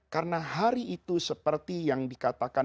karena hari itu seperti yang dikatakan